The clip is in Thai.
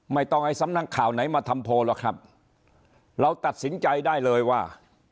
ไม่ต้องให้สำนักข่าวไหนมาทำโพลหรอกครับเราตัดสินใจได้เลยว่า